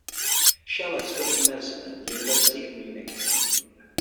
Scheler studied medicine at the University of Munich.